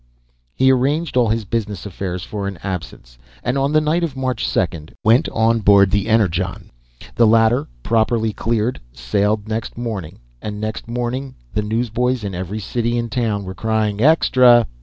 He arranged all his business affairs for an absence, and on the night of March 2 went on board the Energon. The latter, properly cleared, sailed next morning. And next morning the newsboys in every city and town were crying "Extra."